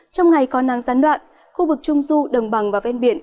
trong ngày có nắng gián đoạn khu vực trung du đồng bằng và ven biển